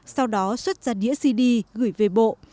sau đó xuất ra đĩa cd gửi về bộ